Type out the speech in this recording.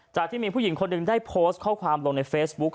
ที่มีผู้หญิงคนหนึ่งได้โพสต์ข้อความลงในเฟซบุ๊ค